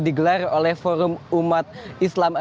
digelar oleh forum umat islam